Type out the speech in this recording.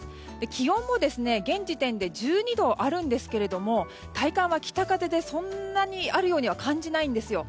気温も現時点で１２度あるんですけれども体感は北風でそんなにあるようには感じないんですよ。